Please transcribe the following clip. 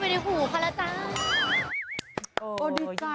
เพลงผมมันผ่านเข้าไปในหูเขาแล้วจ้า